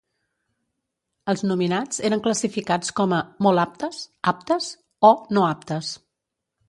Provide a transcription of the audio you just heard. Els nominats eren classificats com a "molt aptes", "aptes" o "no aptes".